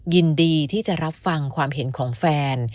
ยินดีที่จะรับฟังความเห็นของแฟน